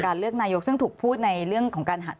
เลือกนายกซึ่งถูกพูดในเรื่องของการหัก